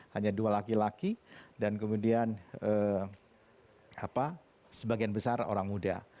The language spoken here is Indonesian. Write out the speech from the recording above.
hanya dua laki laki dan kemudian sebagian besar orang muda